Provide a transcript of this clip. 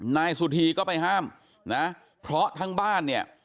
นายสุธีก็ไปห้ามนะเพราะทั้งบ้านเนี่ย